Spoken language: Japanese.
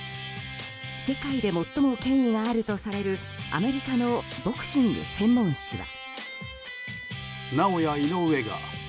世界で最も権威のあるとされるアメリカのボクシング専門誌は。